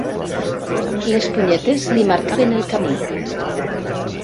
Les punyetes li marcaven el camí.